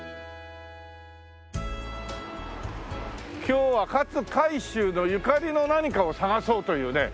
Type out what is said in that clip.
今日は勝海舟のゆかりの何かを探そうというね。